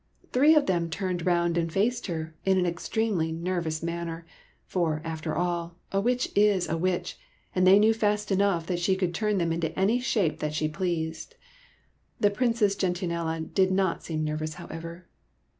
Three of them turned round and faced her in an extremely nervous manner ; for, after all, a witch is a witch, and they knew fast enough that she couid turn them into any shape she pleased. The Princess Gentianella did not seem nervous, however.